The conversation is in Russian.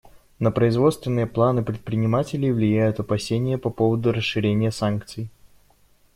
На производственные планы предпринимателей влияют опасения по поводу расширения санкций.